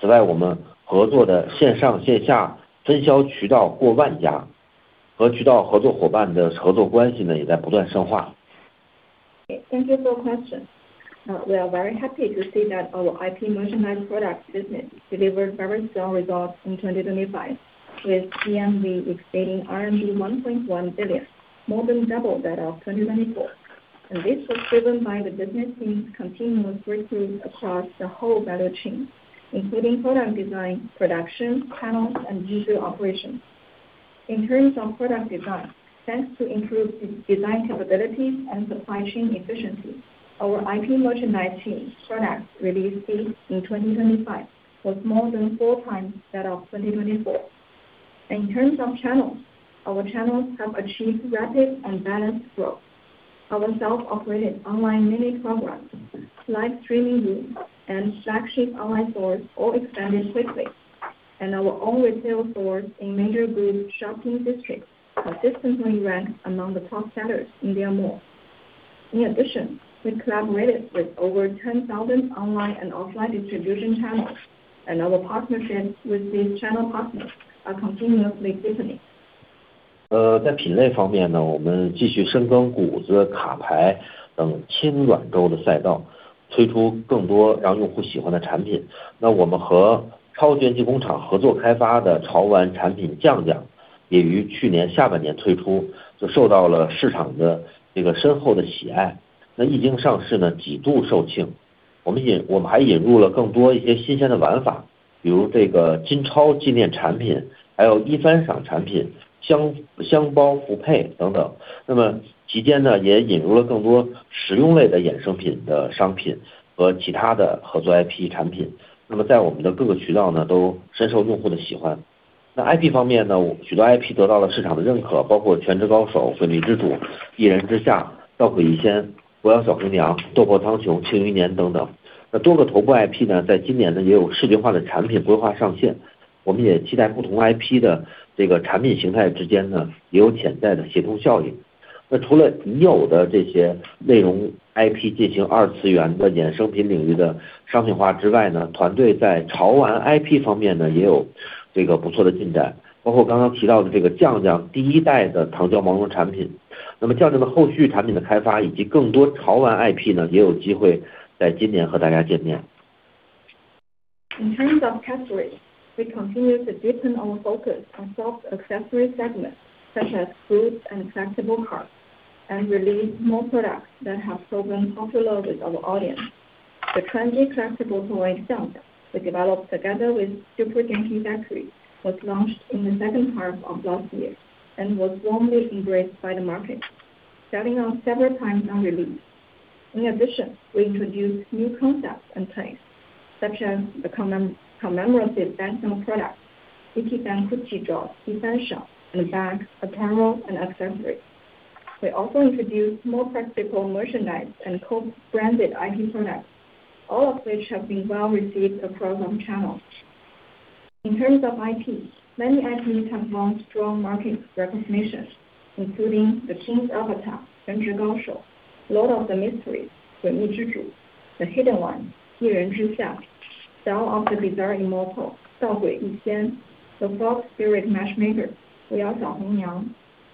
Thank you for your question. We are very happy to see that our IP merchandise product business delivered very strong results in 2025, with GMV exceeding RMB 1.1 billion, more than double that of 2024. This was driven by the business team's continuous breakthroughs across the whole value chain, including product design, production, channels, and digital operations. In terms of product design, thanks to improved design capabilities and supply chain efficiency, our IP merchandise team's product release rate in 2025 was more than four times that of 2024. In terms of channels, our channels have achieved rapid and balanced growth. Our self-operated online mini programs, live streaming group, and flagship online stores all expanded quickly, and our own retail stores in major group shopping districts consistently ranked among the top sellers in their mall. In addition, we collaborated with over 10,000 online and offline distribution channels, and our partnerships with these channel partners are continuously deepening. In terms of category, we continue to deepen our focus on soft accessory segments such as goods and collectible cards, and release more products that have proven popular with our audience. The trendy collectible toy shelter we developed together with Super Genki Factory was launched in the second half of last year and was warmly embraced by the market, selling out several times on release. In addition, we introduced new concepts and trends such as the commemorative [Banjin] product, Ichiban Kuji, Gansha, and bag, apparel, and accessories. We also introduced more practical merchandise and co-branded IP products, all of which have been well received across all channels. In terms of IP, many IPs have launched strong market recognition, including The King's Avatar, 全职高手, Lord of the Mysteries, 诡秘之主, I Am Nobody, 异人之下, Dao of the Bizarre Immortal, 道诡异仙, Fox Spirit Matchmaker, 狐妖小红娘,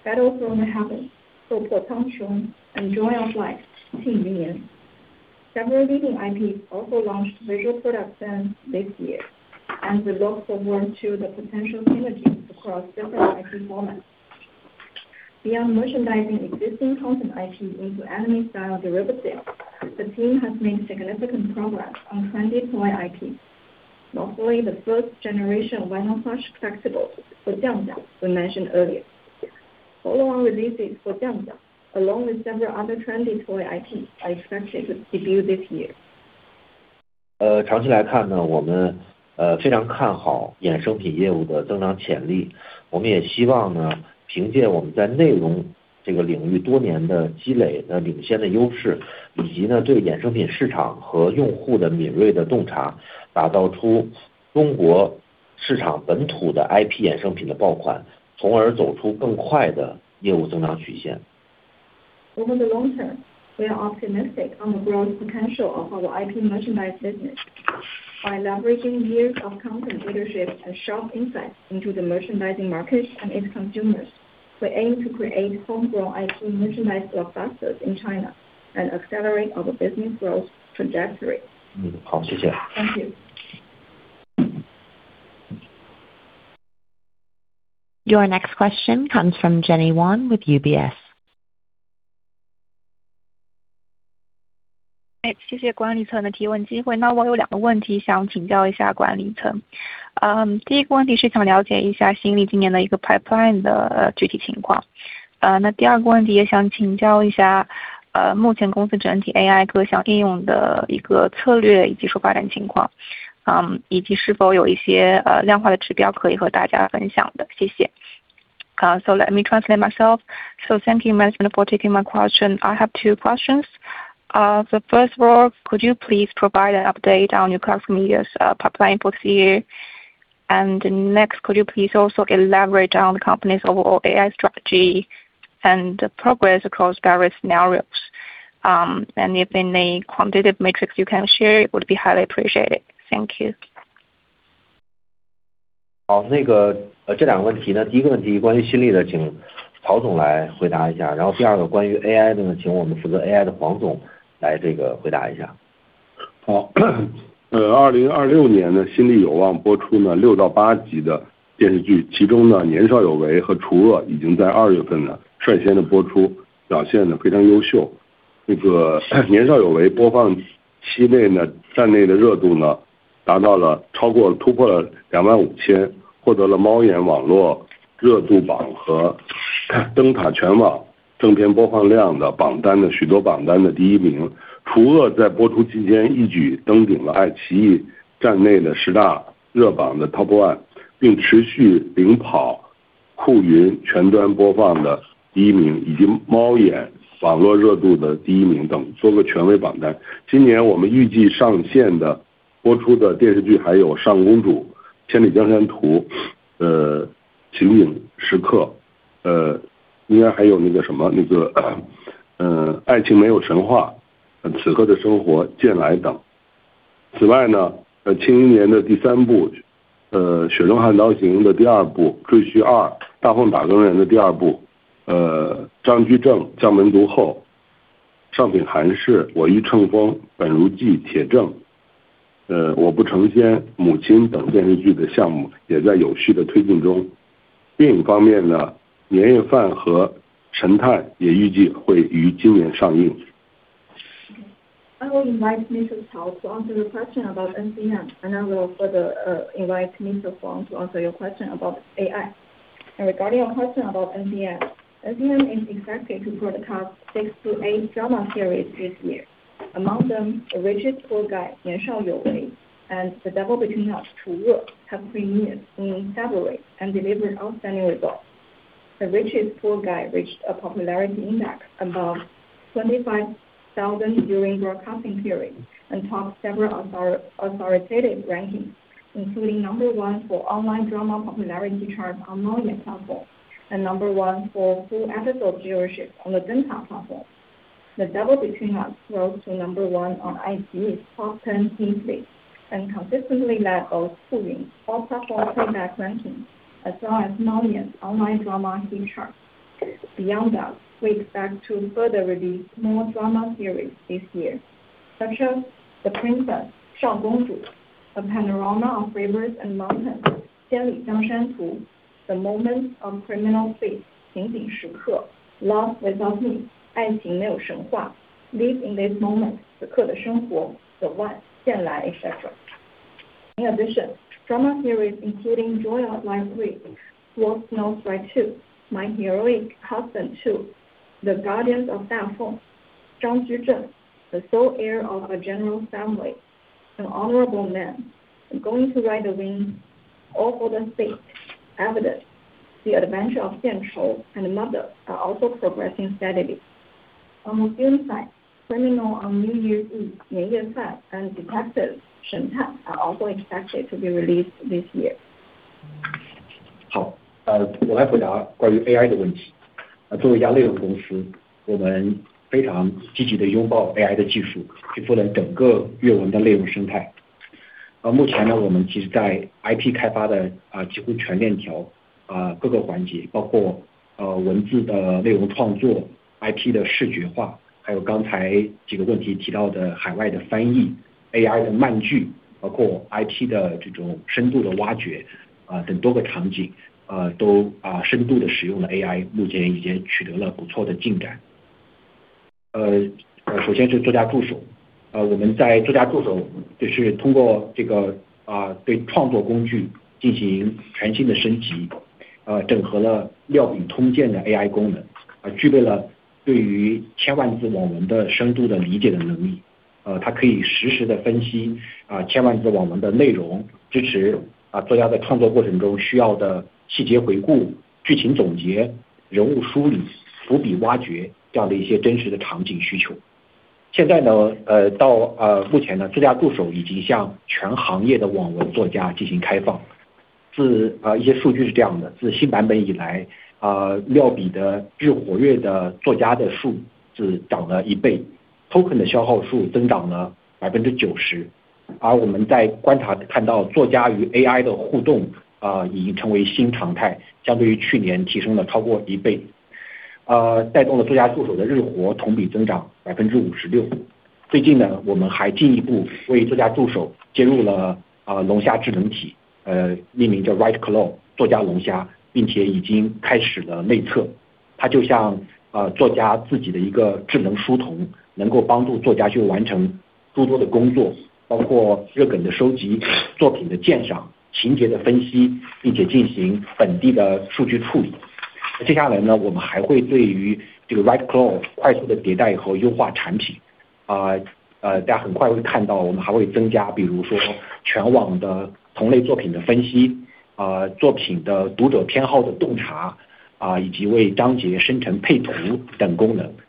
Battle Through the Heavens, 斗破苍穹, and Joy of Life, 庆余年. Several leading IPs also launched visual products this year, and we look forward to the potential synergies across different IP formats. Beyond merchandising existing content IP into anime-style derivatives, the team has made significant progress on trendy toy IP. Not only the first generation of vinyl plush collectible 降降 we mentioned earlier. Follow-on releases for 降降, along with several other trendy toy IP, are expected to debut this year. 长期来看，我们非常看好衍生品业务的增长潜力。我们也希望凭借我们在内容这个领域多年积累的领先优势，以及对衍生品市场和用户的敏锐洞察，打造出中国市场本土的IP衍生品的爆款，从而走出更快的业务增长曲线。Over the long term, we are optimistic on the growth potential of our IP merchandise business. By leveraging years of content leadership and sharp insight into the merchandising markets and its consumers, we aim to create homegrown IP merchandise blockbusters in China and accelerate our business growth trajectory. 好，谢谢。Thank you. Your next question comes from Jenny Yuan with UBS. 谢谢管理层的提问机会。那我有两个问题想请教一下管理层。第一个问题是想了解一下今年的一个pipeline的具体情况。那第二个问题也想请教一下，目前公司整体AI各项应用的一个策略以及发展情况，以及是否有一些量化的指标可以和大家分享的。谢谢。Thank you, management, for taking my question. I have two questions. First of all, could you please provide an update on your cross-media pipeline for this year? Next, could you please also elaborate on the company's overall AI strategy and progress across various scenarios? If in a quantitative matrix you can share, it would be highly appreciated. Thank you. 好，那个，这两个问题呢，第一个问题关于新丽的，请曹总来回答一下。然后第二个关于AI的呢，请我们负责AI的黄总来这个回答一下。ONE，并持续领跑酷云全端播放的第一名，以及猫眼网络热度的第一名等多个权威榜单。今年我们预计上线播出的电视剧还有尚公主、千里江山图、刑警时刻、爱情没有神话、此刻的生活、渐来等。此外，庆余年的第三部、雪中悍刀行的第二部、赘婿二、大奉打更人的第二部、张居正、将门毒后、尚品寒士、我欲乘风、奔如寄、铁证、我不成仙、母亲等电视剧的项目也在有序地推进中。电影方面，年夜饭和神探也预计会于今年上映。I will invite Mr. Cao to answer your question about NCM, and I will further invite Mr. Huang to answer your question about AI. Regarding your question about NCM is expected to produce six to eight drama series this year. Among them, The Richest Poor Guy, 年少有为, and The Devil Between Us, 除恶, have premiered in February and delivered outstanding results. The Richest Poor Guy reached a popularity index above 25,000 during broadcasting period, and topped several authoritative rankings, including number one for online drama popularity chart on platform, and number one for full episode viewership on the 灯塔 platform. The Devil Between Us rose to number one on iQIYI's top ten hit list and consistently led both 酷云 all platform playback ranking as well as 猫眼 online drama hit chart. Beyond that, we expect to further release more drama series this year, such as The Princess, 尚公主, A Panorama of Rivers and Mountains, 千里江山图, The Moments of Criminal Police, 刑警时刻, Love Has No Myth, 爱情没有神话, Live in This Moment, 此刻的生活, The One, 渐来, etc. In addition, drama series including Joy of Life 3, Sword Snow Stride 2, My Heroic Husband 2, Guardians of the Dafeng, Zhang Juzheng, The Sole Heir of a General Family, An Honorable Man, I Want to Ride the Wind, All for the State, Iron Proof, The Adventure of Denchu-Kozo, and Mother are also progressing steadily. On the film side, New Year's Eve Dinner, 年夜饭, and Detective, 神探, are also expected to be released this year.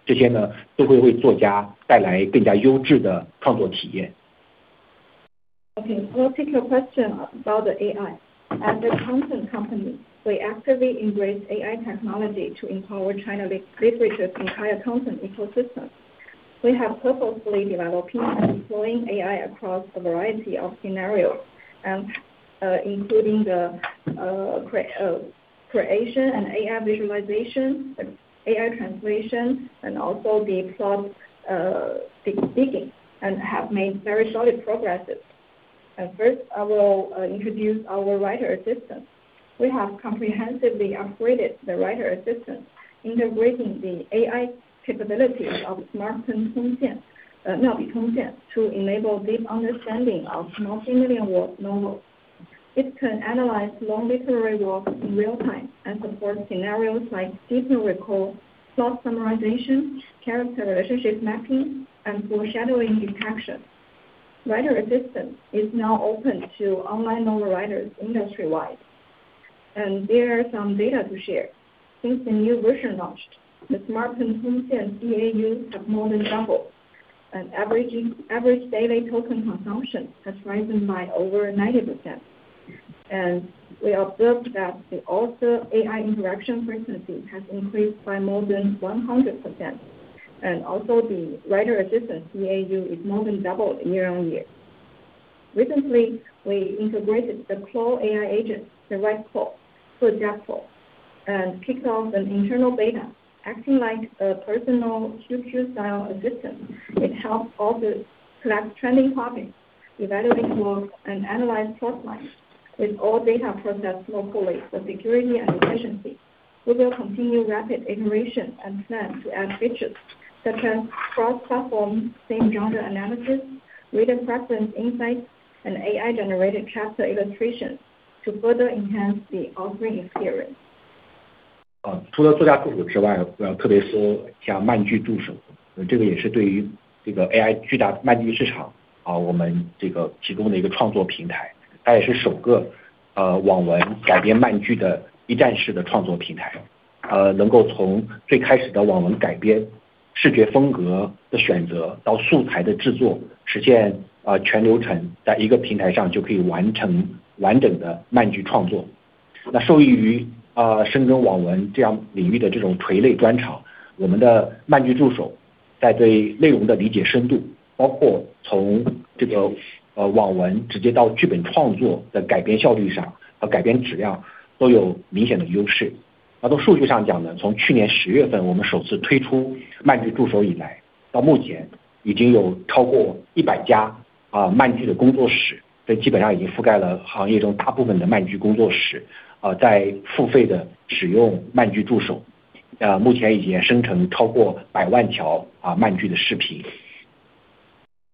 Okay, we'll take your question about the AI. As a company, we actively embrace AI technology to empower China Literature's entire content ecosystem. We have purposefully developing and deploying AI across a variety of scenarios, and including the creation and AI visualization, AI translation, and also the plot digging, and have made very solid progress. First, I will introduce our writer assistant. We have comprehensively upgraded the writer assistant, integrating the AI capabilities of Smart Pen Tongjian, Miaobi Tongjian, to enable deep understanding of multi-million word novels. It can analyze long literary works in real time, and support scenarios like detail recall, plot summarization, character relationship mapping, and foreshadowing detection. Writer Assistant is now open to online novel writers industry-wide. There are some data to share. Since the new version launched, the Smart Pen Tongjian DAU have more than doubled, and average daily token consumption has risen by over 90%. We observed that the author AI interaction frequency has increased by more than 100%. The writer assistant DAU is more than doubled year on year. Recently, we integrated the Claude AI agent, Direct Claude, to Draft Claude, and kicked off an internal beta, acting like a personal QQ style assistant. It helps authors track trending topics, evaluate work, and analyze plot lines. With all data processed locally for security and efficiency. We will continue rapid iteration and plan to add features, such as cross-platform same genre analysis, reader preference insights, and AI-generated chapter illustrations to further enhance the authoring experience. Besides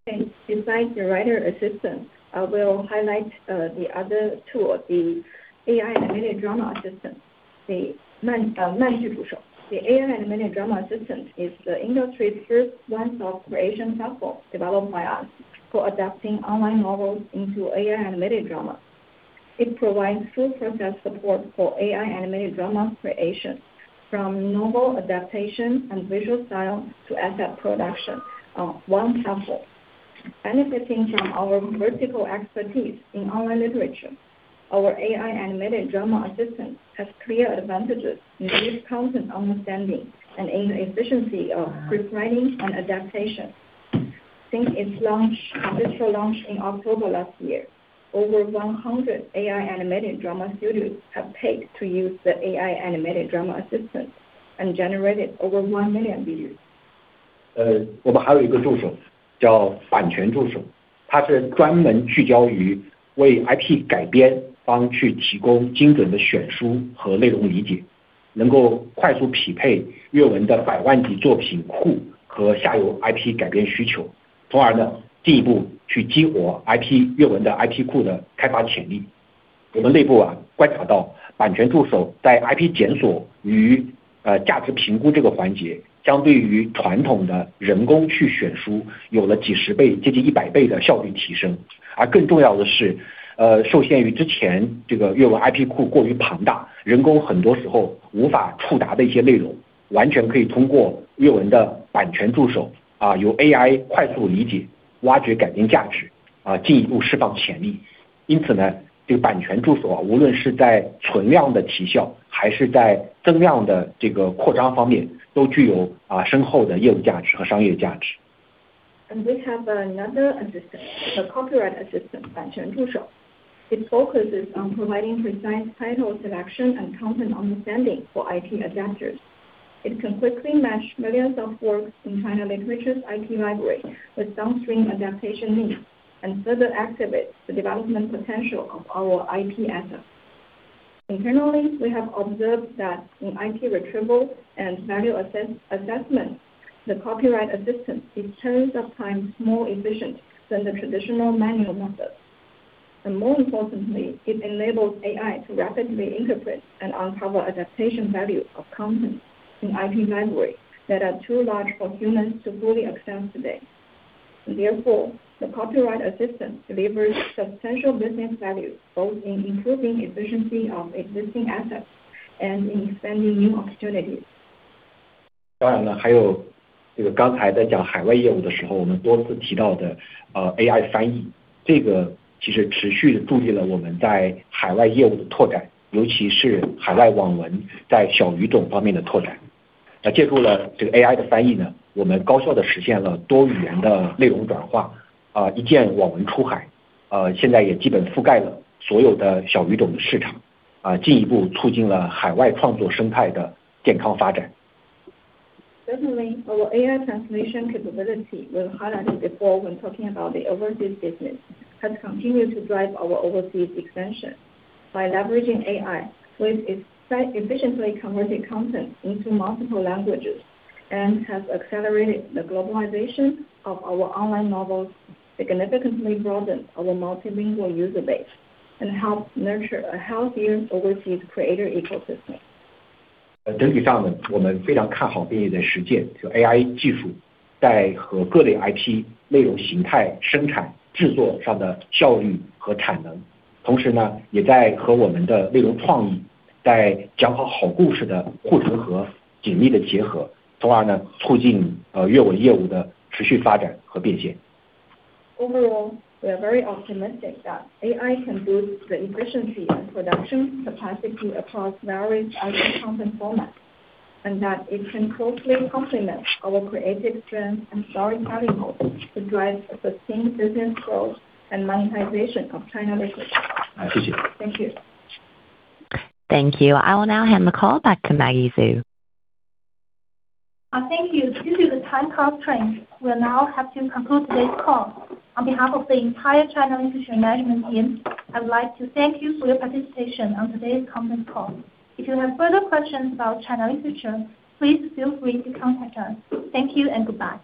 the writer assistant, I will highlight the other tool, the AI animated drama assistant Manju Zhushou. The AI animated drama assistant is the industry's first one-stop creation platform developed by us for adapting online novels into AI animated drama. It provides full process support for AI animated drama creation, from novel adaptation and visual style to asset production on one platform. Benefiting from our vertical expertise in online literature, our AI animated drama assistant has clear advantages in content understanding and in efficiency of scriptwriting and adaptation. Since its official launch in October last year, over 100 AI animated drama studios have paid to use the AI animated drama assistant and generated over 1 million views. We have another assistant, the copyright assistant. Banquan Zhushou. It focuses on providing precise title selection and content understanding for IP adapters. It can quickly match millions of works in China Literature's IP library with downstream adaptation needs, and further activate the development potential of our IP assets. Internally, we have observed that in IP retrieval and value assessment, the copyright assistant is tens of times more efficient than the traditional manual method. More importantly, it enables AI to rapidly interpret and uncover adaptation value of content in IP library that are too large for humans to fully access today. Therefore, the copyright assistant delivers substantial business value, both in improving efficiency of existing assets and in expanding new opportunities. Thank you. I would like to thank you for your participation on today's conference call. If you have further questions about China Literature, please feel free to contact us. Thank you and goodbye.